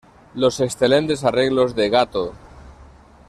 Los excelentes arreglos de ¡Gato!